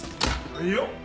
はいよ！